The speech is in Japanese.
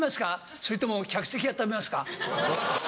それとも客席あっためますか？